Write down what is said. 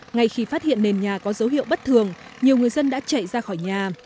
ngay khi phát hiện nền nhà có dấu hiệu bất thường nhiều người dân đã chạy ra khỏi nhà